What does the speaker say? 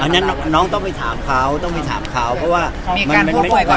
อันนั้นน้องต้องไปถามเขาต้องไปถามเขาเพราะว่ามันไม่ได้ก่อนเว็บเกี่ยวกับพี่